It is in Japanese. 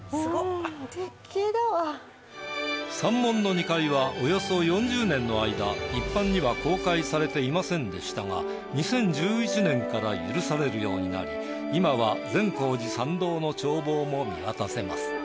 山門の２階はおよそ４０年の間一般には公開されていませんでしたが２０１１年から許されるようになり今は善光寺参道の眺望も見渡せます。